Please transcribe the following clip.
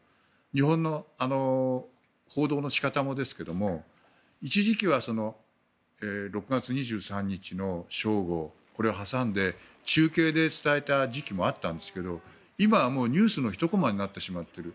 日本の報道の仕方もですけども一時期は６月２３日の正午を挟んで中継で伝えた時期もあったんですけど今はもうニュースのひとコマになってしまっている。